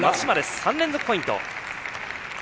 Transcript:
３連続ポイント。